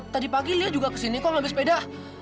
tadi pagi lia juga kesini kok nggak habis peda